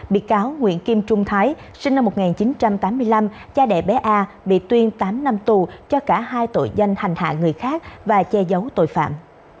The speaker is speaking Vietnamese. bị cáo nguyễn kim trung thái sinh năm một nghìn chín trăm tám mươi năm cha đẻ bé a bị tuyên tám năm tù cho cả hai tội danh hành hạ người khác và che giấu tội phạm